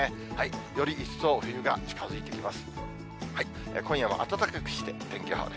より一層、冬が近づいてきます。